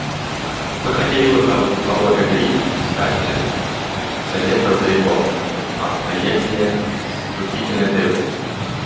Мы хотели бы поблагодарить Председателя Совета за его обстоятельное вступительное заявление.